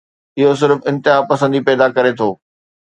اهو صرف انتهاپسندي پيدا ڪري ٿو.